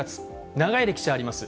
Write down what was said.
長い歴史あります。